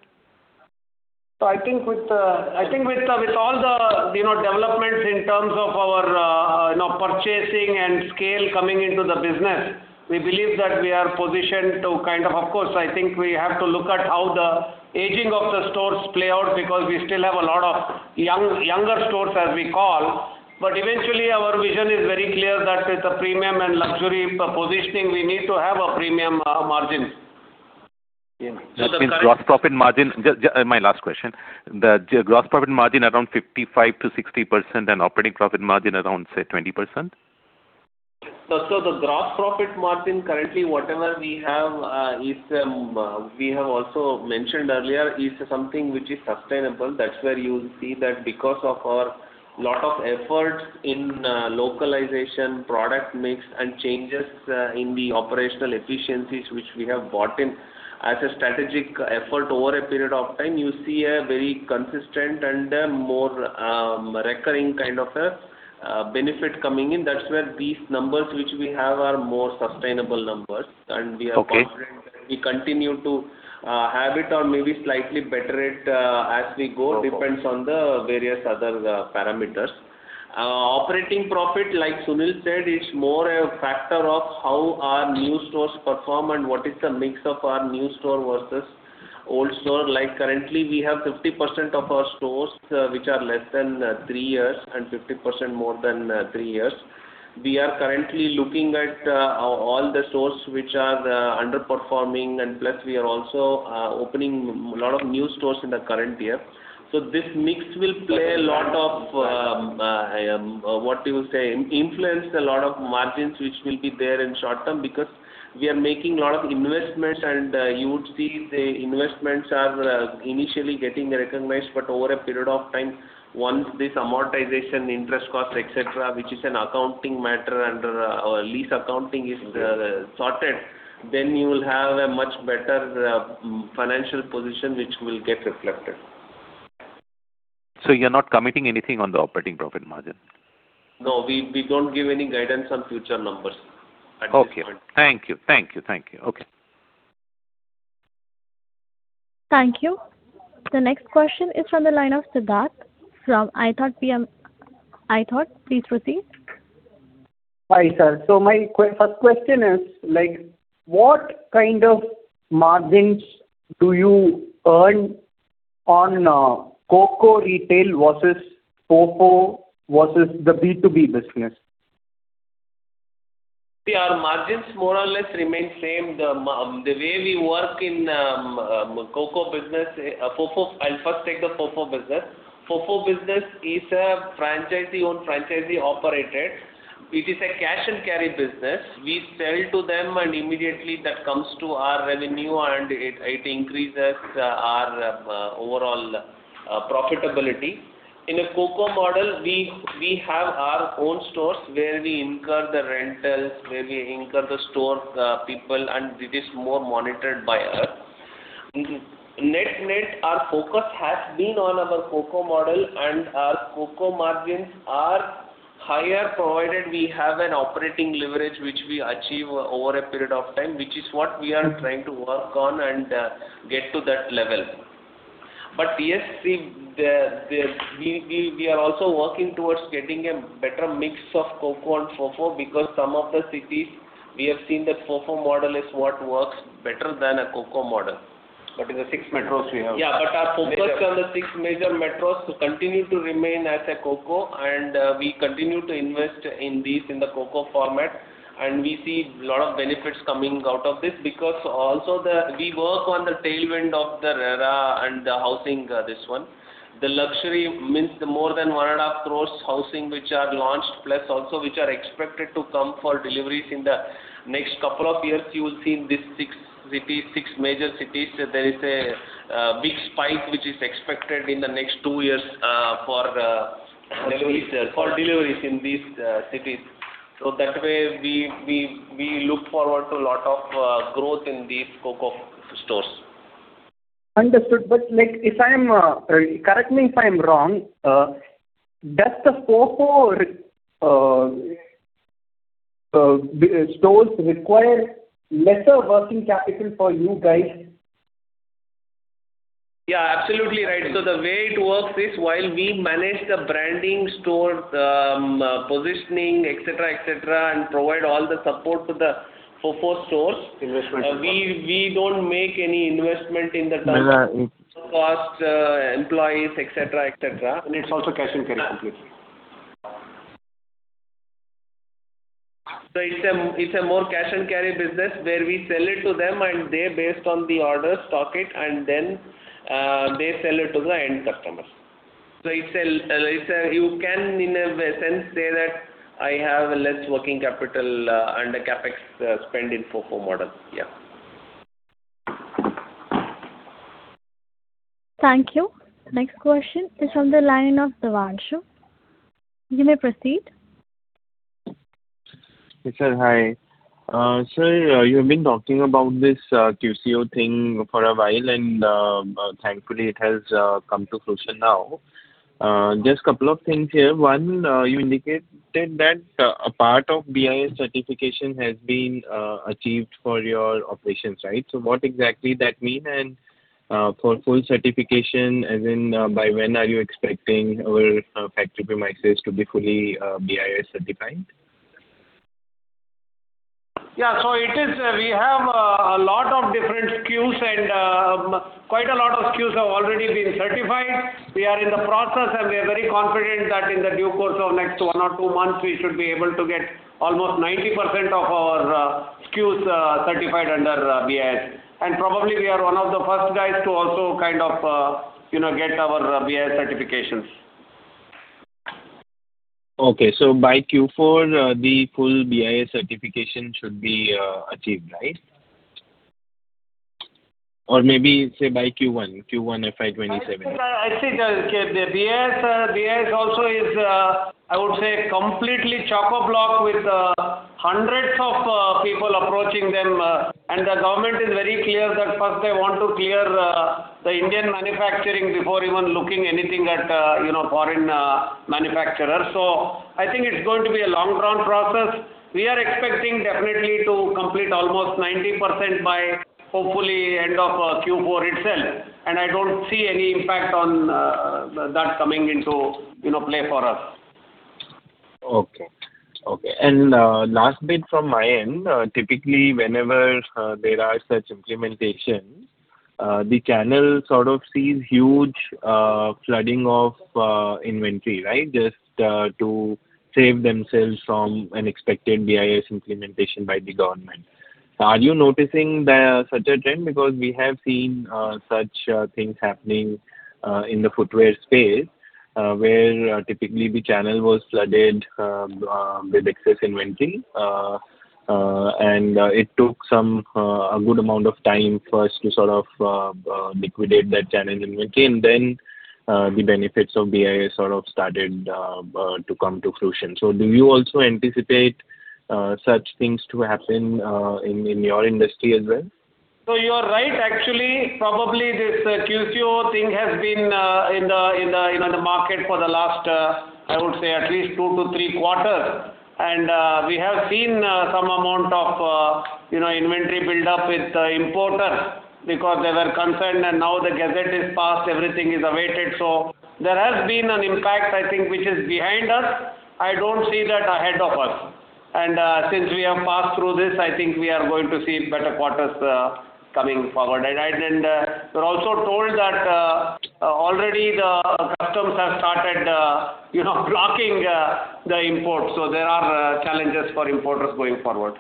I think with all the, you know, developments in terms of our, you know, purchasing and scale coming into the business, we believe that we are positioned to kind of, of course, I think we have to look at how the aging of the stores play out, because we still have a lot of young, younger stores, as we call. But eventually, our vision is very clear that with the premium and luxury positioning, we need to have a premium margin. That means gross profit margin. Just, my last question, the gross profit margin around 55%-60% and operating profit margin around, say, 20%? So, the gross profit margin, currently, whatever we have, is, we have also mentioned earlier, is something which is sustainable. That's where you will see that because of our lot of efforts in, localization, product mix, and changes, in the operational efficiencies which we have brought in as a strategic effort over a period of time, you see a very consistent and a more, recurring kind of a, benefit coming in. That's where these numbers, which we have, are more sustainable numbers, and we are- Okay. We continue to have it or maybe slightly better it as we go, depends on the various other parameters. Operating profit, like Sunil said, is more a factor of how our new stores perform and what is the mix of our new store versus old store. Like, currently, we have 50% of our stores which are less than three years and 50% more than three years. We are currently looking at all the stores which are underperforming, and plus, we are also opening a lot of new stores in the current year. So this mix will play a lot of what you say, influence a lot of margins, which will be there in short term, because we are making a lot of investments, and you would see the investments are initially getting recognized. But over a period of time, once this amortization, interest cost, et cetera, which is an accounting matter under our lease accounting is sorted, then you will have a much better financial position, which will get reflected. So you're not committing anything on the operating profit margin? No, we don't give any guidance on future numbers at this point. Okay. Thank you. Thank you, thank you. Okay. Thank you. The next question is from the line of Siddharth from iThought PMS. iThought, please proceed. Hi, sir. So my first question is, like, what kind of margins do you earn on CoCo retail versus FoFo versus the B2B business? Our margins more or less remain same. The way we work in CoCo business, FoFo. I'll first take the FoFo business. FoFo business is a franchisee-owned, franchisee-operated. It is a cash and carry business. We sell to them, and immediately that comes to our revenue, and it increases our overall profitability. In a CoCo model, we have our own stores where we incur the rentals, where we incur the store people, and it is more monitored by us. Net, our focus has been on our CoCo model, and our CoCo margins are higher, provided we have an operating leverage, which we achieve over a period of time, which is what we are trying to work on and get to that level. But, yes, we are also working towards getting a better mix of CoCo and FoFo, because some of the cities we have seen that FoFo model is what works better than a CoCo model. But in the six metros we have- Yeah, but our focus on the six major metros continue to remain as a CoCo, and, we continue to invest in these in the CoCo format, and we see a lot of benefits coming out of this, because also the we work on the tailwind of the RERA and the housing, this one. The luxury means the more than 1.5 crore housing, which are launched, plus also which are expected to come for deliveries in the next couple of years. You will see in these six cities, six major cities, there is a, big spike which is expected in the next two years, for, Deliveries. For deliveries in these cities. So that way, we look forward to a lot of growth in these CoCo stores. Understood. But, like, if I'm correct me if I'm wrong, does the FoFo stores require lesser working capital for you guys? Yeah, absolutely right. So the way it works is, while we manage the branding store, the positioning, et cetera, et cetera, and provide all the support to the FoFo stores- Investment. We don't make any investment in the terms of cost, employees, et cetera, et cetera. It's also cash and carry, completely. So it's a more cash and carry business, where we sell it to them, and they, based on the order, stock it, and then they sell it to the end customer. So it's a, you can, in a sense, say that I have less working capital and a CapEx spend in FoFo model. Yeah. Thank you. Next question is on the line of Devanshu. You may proceed. Sir, hi. Sir, you've been talking about this QCO thing for a while, and thankfully, it has come to fruition now. Just couple of things here. One, you indicated that a part of BIS certification has been achieved for your operations, right? So what exactly that mean? And, for full certification, as in, by when are you expecting your factory mixes to be fully BIS certified? Yeah. So it is, we have a lot of different SKUs, and quite a lot of SKUs have already been certified. We are in the process, and we are very confident that in the due course of next one or two months, we should be able to get almost 90% of our SKUs certified under BIS. And probably we are one of the first guys to also kind of, you know, get our BIS certifications. Okay. So by Q4, the full BIS certification should be achieved, right? Or maybe, say, by Q1, Q1, FY 2027. I think the BIS also is completely chock-a-block with hundreds of people approaching them, and the government is very clear that first they want to clear the Indian manufacturing before even looking anything at, you know, foreign manufacturers. So I think it's going to be a long-run process. We are expecting definitely to complete almost 90% by hopefully end of Q4 itself, and I don't see any impact on that coming into, you know, play for us. Okay. Okay. And last bit from my end, typically whenever there are such implementations, the channel sort of sees huge flooding of inventory, right? Just to save themselves from an expected BIS implementation by the government. Are you noticing such a trend? Because we have seen such things happening in the footwear space, where typically the channel was flooded with excess inventory, and it took some a good amount of time first to sort of liquidate that channel inventory, and then the benefits of BIS sort of started to come to fruition. So do you also anticipate such things to happen in your industry as well? So you are right, actually. Probably this QCO thing has been in the, you know, the market for the last, I would say at least two-three quarters. And we have seen some amount of, you know, inventory build-up with the importers because they were concerned, and now the gazette is passed, everything is awaited. So there has been an impact, I think, which is behind us. I don't see that ahead of us. And since we have passed through this, I think we are going to see better quarters coming forward. And we're also told that already the customs have started, you know, blocking the imports, so there are challenges for importers going forward.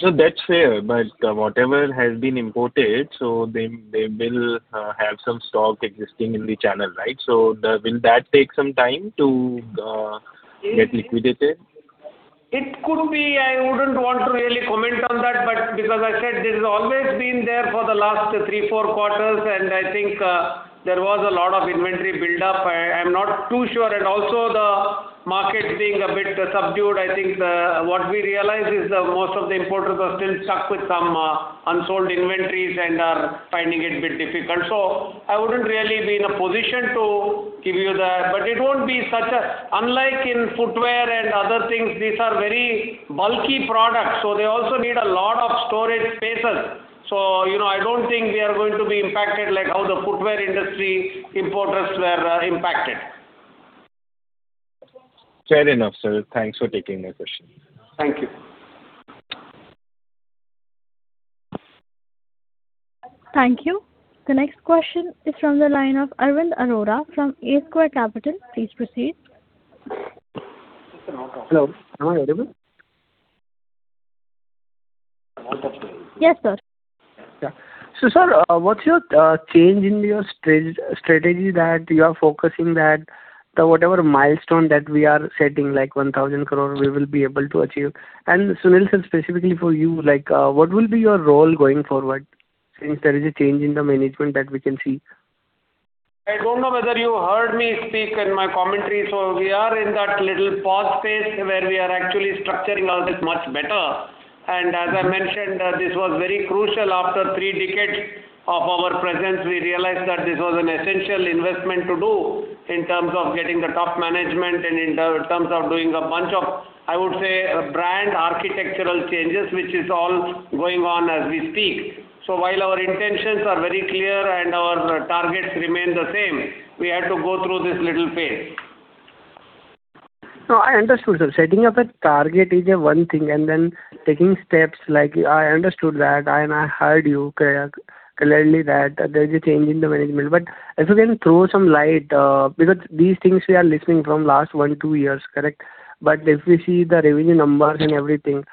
So that's fair, but whatever has been imported, so they, they will have some stock existing in the channel, right? So the... Will that take some time to get liquidated? It could be. I wouldn't want to really comment on that, but because I said this has always been there for the last three, four quarters, and I think, there was a lot of inventory build-up. I, I'm not too sure. And also the market being a bit subdued, I think, what we realize is that most of the importers are still stuck with some, unsold inventories and are finding it a bit difficult. So I wouldn't really be in a position to give you the... But it won't be unlike in footwear and other things, these are very bulky products, so they also need a lot of storage spaces. So, you know, I don't think we are going to be impacted like how the footwear industry importers were, impacted. Fair enough, sir. Thanks for taking my question. Thank you. Thank you. The next question is from the line of Arvind Arora from A Square Capital. Please proceed. Hello, am I audible? Yes, sir. Yeah. So, sir, what's your change in your strategy that you are focusing that whatever milestone that we are setting, like 1,000 crore, we will be able to achieve? And, Sunil sir, specifically for you, like what will be your role going forward, since there is a change in the management that we can see? I don't know whether you heard me speak in my commentary, so we are in that little pause phase where we are actually structuring all this much better. And as I mentioned, this was very crucial. After three decades of our presence, we realized that this was an essential investment to do in terms of getting the top management and in terms of doing a bunch of, I would say, brand architectural changes, which is all going on as we speak. So while our intentions are very clear and our targets remain the same, we had to go through this little phase. No, I understood, sir. Setting up a target is one thing, and then taking steps, like I understood that, and I heard you clearly that there is a change in the management. But if you can throw some light, because these things we are listening from last one-two years, correct? But if we see the revenue numbers and everything,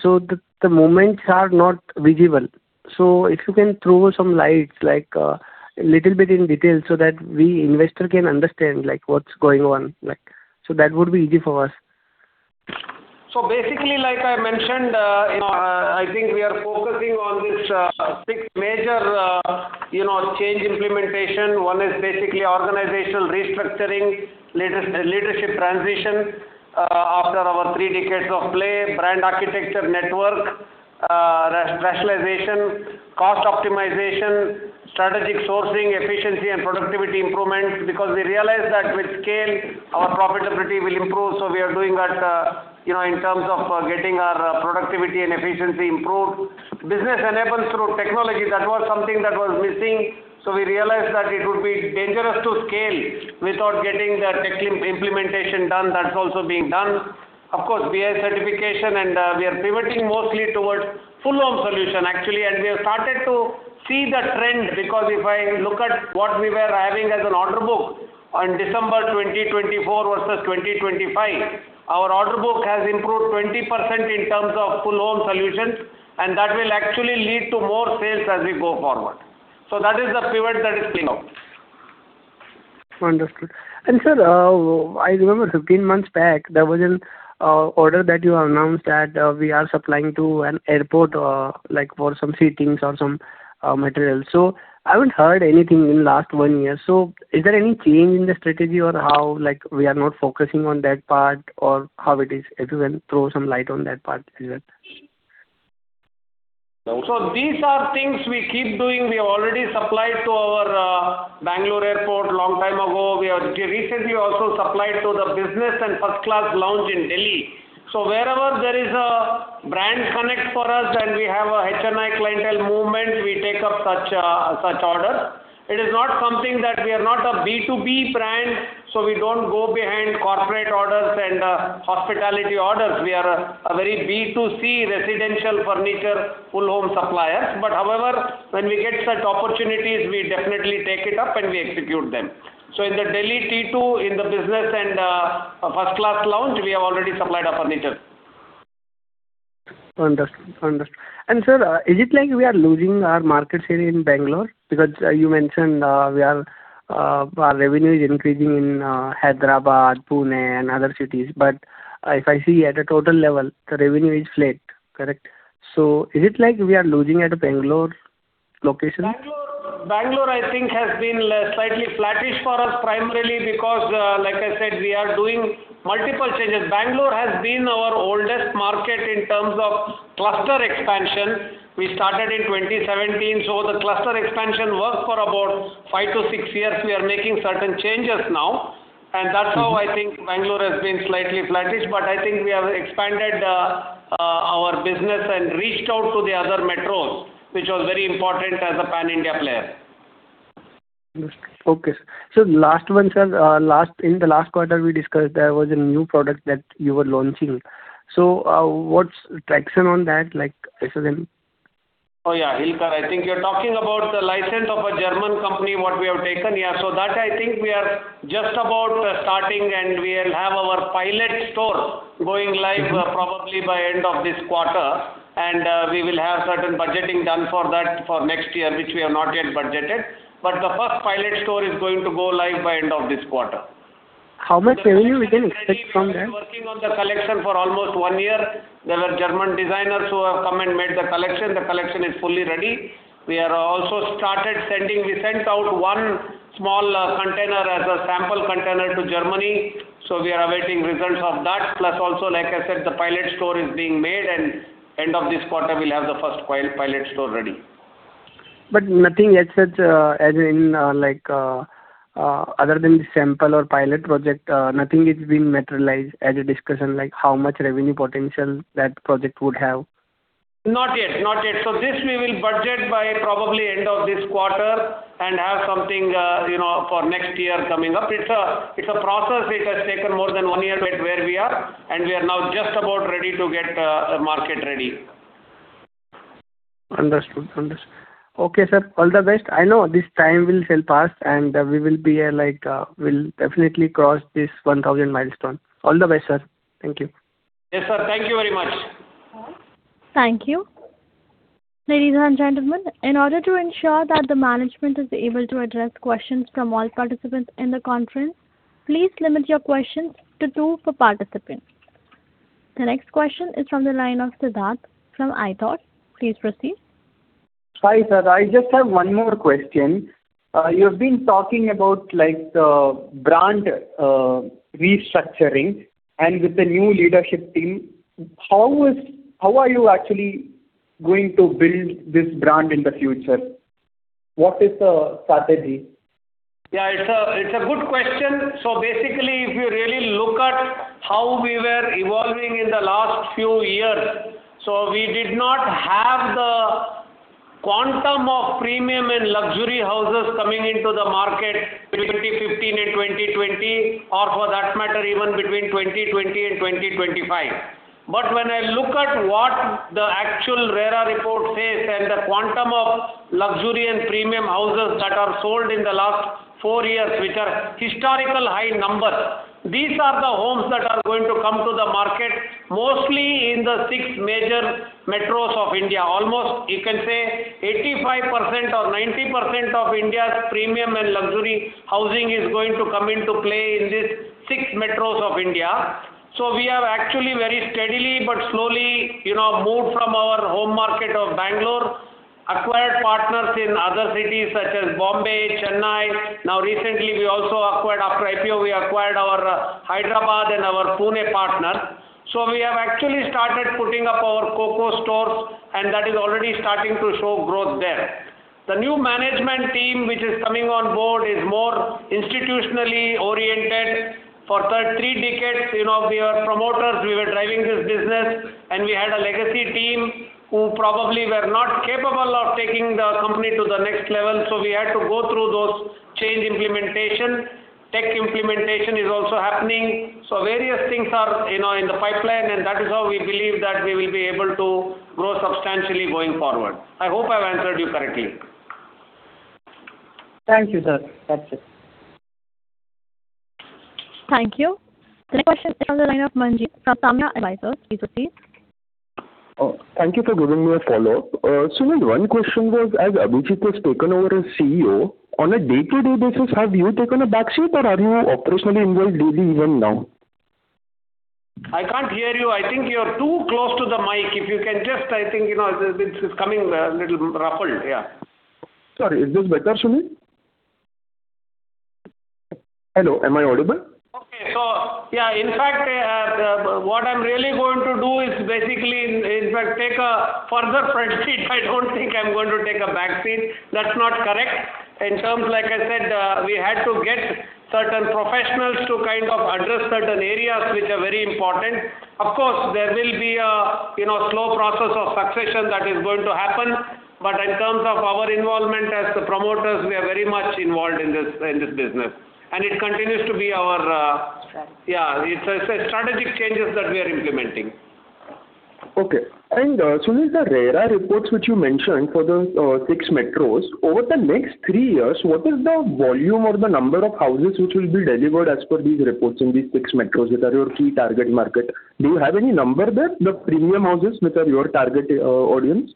so the, the movements are not visible. So if you can throw some light, like, a little bit in detail so that we investor can understand, like, what's going on, like, so that would be easy for us. So basically, like I mentioned, you know, I think we are focusing on this six major, you know, change implementation. One is basically organizational restructuring, leadership transition after our three decades of play, brand architecture, network rationalization, cost optimization, strategic sourcing, efficiency and productivity improvements, because we realize that with scale, our profitability will improve, so we are doing that, you know, in terms of getting our productivity and efficiency improved. Business enables through technology, that was something that was missing, so we realized that it would be dangerous to scale without getting the tech implementation done. That's also being done. Of course, we have certification and, we are pivoting mostly towards full home solution, actually, and we have started to see the trend, because if I look at what we were having as an order book on December 2024 versus 2025, our order book has improved 20% in terms of full home solutions, and that will actually lead to more sales as we go forward. So that is the pivot that is being on. Understood. And, sir, I remember 15 months back, there was an order that you announced that we are supplying to an airport, like for some seatings or some materials. So I haven't heard anything in last one year. So is there any change in the strategy or how, like, we are not focusing on that part, or how it is? If you can throw some light on that part as well. So these are things we keep doing. We already supplied to our Bangalore airport long time ago. We have recently also supplied to the business and first class lounge in Delhi. So wherever there is a brand connect for us and we have a HMI clientele movement, we take up such a, such order. It is not something that we are not a B2B brand, so we don't go behind corporate orders and hospitality orders. We are a very B2C residential furniture, full home suppliers. But however, when we get such opportunities, we definitely take it up and we execute them. So in the Delhi T2, in the business and first class lounge, we have already supplied our furniture. Understood. Understood. And sir, is it like we are losing our market share in Bangalore? Because you mentioned we are our revenue is increasing in Hyderabad, Pune and other cities, but if I see at a total level, the revenue is flat, correct? So is it like we are losing at a Bangalore location? Bangalore, Bangalore, I think, has been slightly flattish for us, primarily because, like I said, we are doing multiple changes. Bangalore has been our oldest market in terms of cluster expansion. We started in 2017, so the cluster expansion worked for about 5-6 years. We are making certain changes now, and that's how I think Bangalore has been slightly flattish. But I think we have expanded, our business and reached out to the other metros, which was very important as a Pan-India player. Understood. Okay. So last one, sir. In the last quarter, we discussed there was a new product that you were launching. So, what's the traction on that like, as in? Oh, yeah. I think you're talking about the license of a German company, what we have taken. Yeah. So that I think we are just about starting, and we'll have our pilot store going live probably by end of this quarter, and we will have certain budgeting done for that for next year, which we have not yet budgeted. But the first pilot store is going to go live by end of this quarter. How much revenue we can expect from that? Working on the collection for almost one year. There were German designers who have come and made the collection. The collection is fully ready. We are also started sending... We sent out one small, container as a sample container to Germany, so we are awaiting results of that. Plus, also, like I said, the pilot store is being made, and end of this quarter, we'll have the first pilot store ready. But nothing as such, as in, like, other than the sample or pilot project, nothing is being materialized as a discussion, like how much revenue potential that project would have? Not yet. Not yet. So this we will budget by probably end of this quarter and have something, you know, for next year coming up. It's a, it's a process which has taken more than one year to get where we are, and we are now just about ready to get, market-ready. Understood. Understood. Okay, sir, all the best. I know this time will sell fast, and we will be, like, we'll definitely cross this 1,000 milestone. All the best, sir. Thank you. Yes, sir. Thank you very much. Thank you. Ladies and gentlemen, in order to ensure that the management is able to address questions from all participants in the conference, please limit your questions to two per participant. The next question is from the line of Siddharth from ITOT. Please proceed. Hi, sir. I just have one more question. You've been talking about, like, the brand restructuring and with the new leadership team, how are you actually going to build this brand in the future? What is the strategy? Yeah, it's a, it's a good question. So basically, if you really look at how we were evolving in the last few years, so we did not have the quantum of premium and luxury houses coming into the market between 2015 and 2020, or for that matter, even between 2020 and 2025. But when I look at what the actual RERA report says, and the quantum of luxury and premium houses that are sold in the last four years, which are historical high numbers, these are the homes that are going to come to the market, mostly in the six major metros of India. Almost, you can say 85% or 90% of India's premium and luxury housing is going to come into play in these six metros of India. So we have actually very steadily, but slowly, you know, moved from our home market of Bangalore, acquired in other cities such as Bombay, Chennai. Now, recently, we also acquired, after IPO, we acquired our Hyderabad and our Pune partner. So we have actually started putting up our Coco stores, and that is already starting to show growth there. The new management team, which is coming on board, is more institutionally oriented. For the past three decades, you know, we are promoters, we were driving this business, and we had a legacy team who probably were not capable of taking the company to the next level, so we had to go through those change implementation. Tech implementation is also happening. So various things are, you know, in the pipeline, and that is how we believe that we will be able to grow substantially going forward. I hope I've answered you correctly. Thank you, sir. That's it. Thank you. The next question on the lineup, Manjeet from Samaya Advisors. Please proceed. Thank you for giving me a follow-up. Sunil, one question was, as Abhijeet has taken over as CEO, on a day-to-day basis, have you taken a back seat, or are you operationally involved daily even now? I can't hear you. I think you're too close to the mic. If you can just, I think, you know, it's coming a little ruffled. Yeah. Sorry, is this better, Sunil? Hello, am I audible? Okay. So, yeah, in fact, what I'm really going to do is basically, in fact, take a further front seat. I don't think I'm going to take a back seat. That's not correct. In terms, like I said, we had to get certain professionals to kind of address certain areas which are very important. Of course, there will be a, you know, slow process of succession that is going to happen, but in terms of our involvement as the promoters, we are very much involved in this business, and it continues to be our... Yeah, it's strategic changes that we are implementing. Okay. And, Sunil, the RERA reports which you mentioned for the six metros, over the next three years, what is the volume or the number of houses which will be delivered as per these reports in these six metros, which are your key target market? Do you have any number there, the premium houses which are your target audience?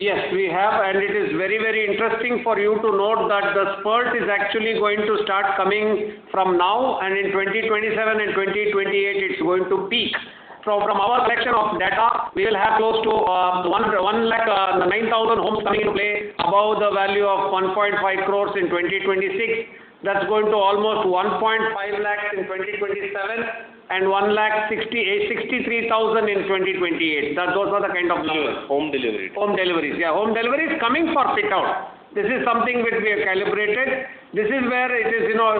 Yes, we have, and it is very, very interesting for you to note that the spurt is actually going to start coming from now, and in 2027 and 2028, it's going to peak. So from our section of data, we will have close to 109,000 homes coming to play above the value of 1.5 crore in 2026. That's going to almost 150,000 in 2027 and 163,000 in 2028. Those are the kind of numbers. Home delivery. Home deliveries. Yeah, home deliveries coming for pick up. This is something which we have calibrated. This is where it is, you know,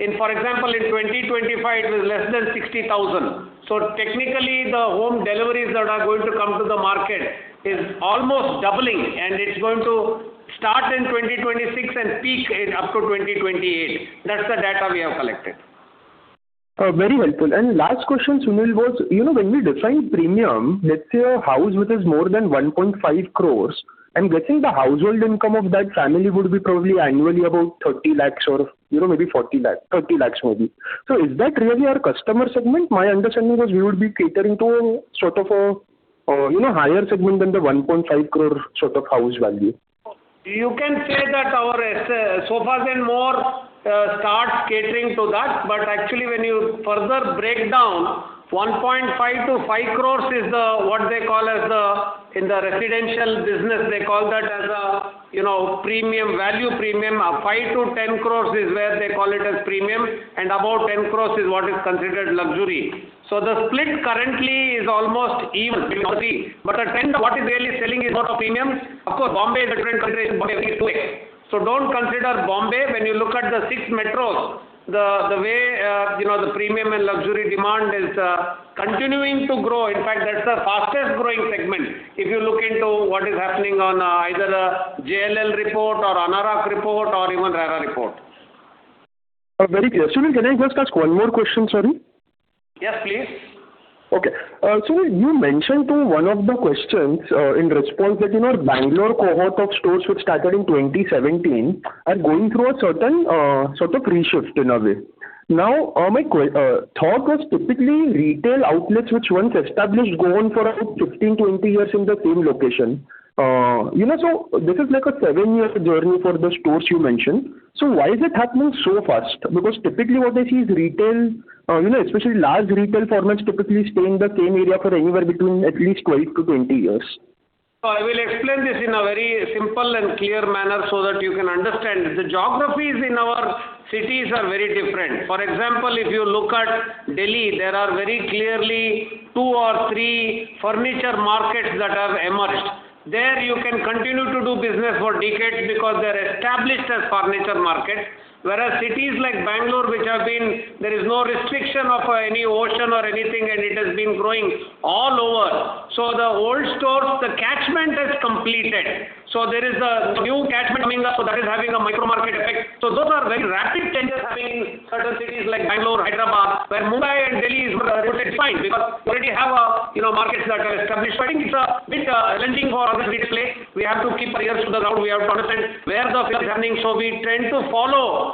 in, for example, in 2025, it was less than 60,000. So technically, the home deliveries that are going to come to the market is almost doubling, and it's going to start in 2026 and peak in up to 2028. That's the data we have collected. Very helpful. Last question, Sunil, was, you know, when we define premium, let's say a house which is more than 1.5 crore, I'm guessing the household income of that family would be probably annually about 30 lakh or, you know, maybe 40 lakh, 30 lakh maybe. So is that really our customer segment? My understanding was we would be catering to sort of a, you know, higher segment than the 1.5 crore sort of house value. You can say that our sofas so far then more start catering to that, but actually, when you further break down, 1.5 crore-5 crore is the, what they call as the, in the residential business, they call that as a, you know, premium, value premium. Five to 10 crores is where they call it as premium, and about 10 crore is what is considered luxury. So the split currently is almost even, you see, but the trend, what is really selling is a lot of premiums. Of course, Bombay is a different consideration, but everything is two way. So don't consider Bombay. When you look at the six metros, the way, you know, the premium and luxury demand is continuing to grow. In fact, that's the fastest growing segment if you look into what is happening on, either a JLL report or Anarock report or even RERA report. Very clear. Sunil, can I just ask one more question, sorry? Yes, please. Okay. Sunil, you mentioned to one of the questions in response that, you know, Bangalore cohort of stores, which started in 2017, are going through a certain sort of reshift in a way. Now, my thought was typically retail outlets, which once established, go on for about 15, 20 years in the same location. You know, so this is like a seven-year journey for the stores you mentioned. So why is it happening so fast? Because typically what I see is retail, you know, especially large retail formats, typically stay in the same area for anywhere between at least 12-20 years. I will explain this in a very simple and clear manner so that you can understand. The geographies in our cities are very different. For example, if you look at Delhi, there are very clearly two or three furniture markets that have emerged. There, you can continue to do business for decades because they're established as furniture markets. Whereas cities like Bangalore, which have been... There is no restriction of any ocean or anything, and it has been growing all over. So the old stores, the catchment has completed. So there is a new catchment coming up, so that is having a micro market effect. So those are very rapid changes happening in certain cities like Bangalore, Hyderabad, where Mumbai and Delhi is, it's fine because we already have, you know, markets that are established. But I think it's a big changing for us to explain. We have to keep our ears to the ground. We have to understand where the field is running, so we tend to follow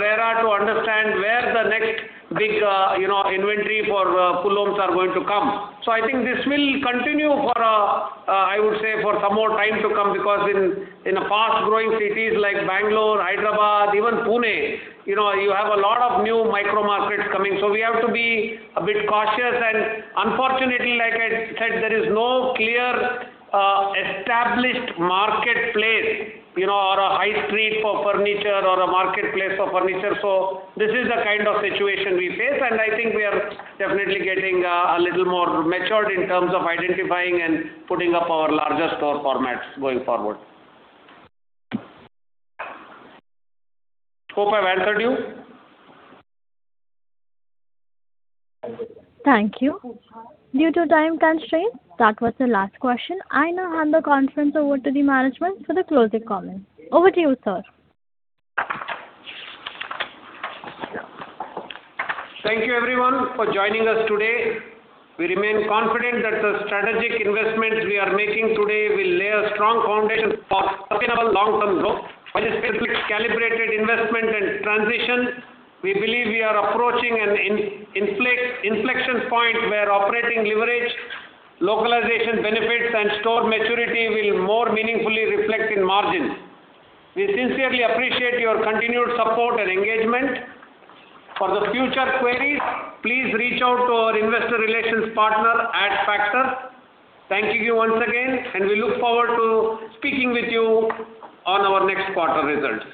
RERA, to understand where the next big, you know, inventory for full homes are going to come. So I think this will continue for, I would say, for some more time to come, because in the fast-growing cities like Bangalore, Hyderabad, even Pune, you know, you have a lot of new micro markets coming. So we have to be a bit cautious, and unfortunately, like I said, there is no clear established marketplace, you know, or a high street for furniture or a marketplace for furniture. So this is the kind of situation we face, and I think we are definitely getting a little more matured in terms of identifying and putting up our larger store formats going forward. Hope I've answered you? Thank you. Due to time constraint, that was the last question. I now hand the conference over to the management for the closing comments. Over to you, sir. Thank you everyone for joining us today. We remain confident that the strategic investments we are making today will lay a strong foundation for sustainable long-term growth and a specific calibrated investment and transition. We believe we are approaching an inflection point where operating leverage, localization benefits, and store maturity will more meaningfully reflect in margins. We sincerely appreciate your continued support and engagement. For the future queries, please reach out to our investor relations partner at Factor. Thank you once again, and we look forward to speaking with you on our next quarter results.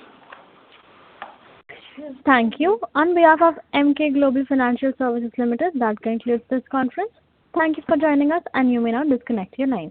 Thank you. On behalf of Emkay Global Financial Services Limited, that concludes this conference. Thank you for joining us, and you may now disconnect your lines.